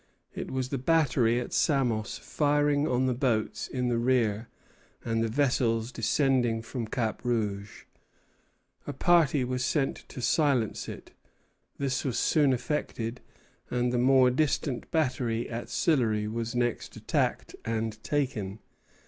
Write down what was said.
It was the battery at Samos firing on the boats in the rear and the vessels descending from Cap Rouge. A party was sent to silence it; this was soon effected, and the more distant battery at Sillery was next attacked and taken.